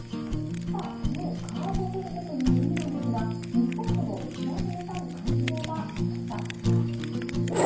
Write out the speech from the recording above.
このカボベルデという国なんですが日本との知られざる関係がありました。